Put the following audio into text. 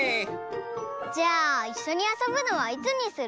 じゃあいっしょにあそぶのはいつにする？